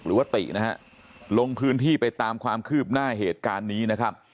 หรือว่าตินะฮะลงพื้นที่ไปตามความคืบหน้าเหตุการณ์นี้นะครับ